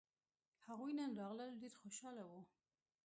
هغوی نن راغلل ډېر خوشاله وو